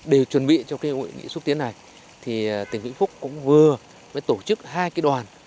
để chuẩn bị cho cái hội nghị xúc tiến này thì tỉnh vĩnh phúc cũng vừa mới tổ chức hai cái đoàn